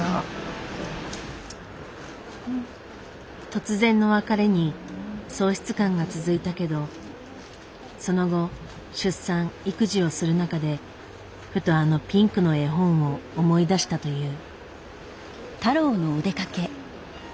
突然の別れに喪失感が続いたけどその後出産育児をする中でふとあのピンクの絵本を思い出したという。